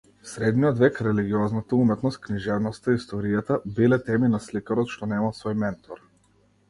Средниот век, религиозната уметност, книжевноста, историјата, биле теми на сликарот што немал свој ментор.